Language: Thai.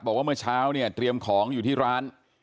บอกว่าเมื่อเช้าเนี่ยเตรียมของอยู่ที่ร้าน